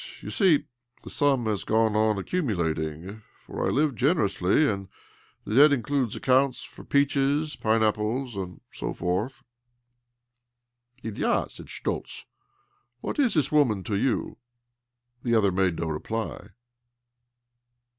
You see, the sum' has gone on accumulating, for I live generously, and thte debt includes accounts for peaches, pine apples, and so forth." " Ilya," said Schtoltz, " what is this woman to you ?" 'The other made no reply.